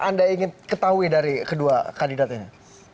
apa yang paling anda ingin ketahui dari kedua kandidat ini